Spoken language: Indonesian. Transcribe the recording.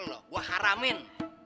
lu gua haramin